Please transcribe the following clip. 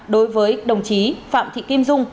đối với đồng chí phạm thị kim dung